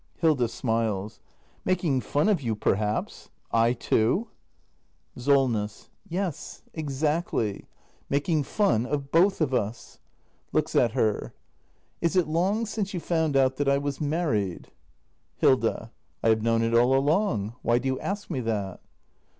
Hilda. [Smiles.] Making fun of you, perhaps ? I, too ? 310 THE MASTER BUILDER [act i SOLNESS. Yes, exactly. Making fun — of both of us. [Looks at her.] Is it long since you found out that I was married ? Hilda. I have known it all along. Why do you ask me that?